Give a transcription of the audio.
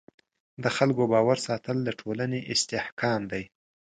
د خلکو باور ساتل د ټولنې استحکام دی.